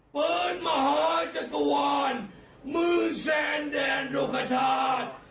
เปิดมหาจักรวาลมือแสนแดนโรคทาน